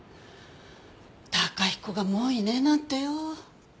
崇彦がもういねえなんてよ。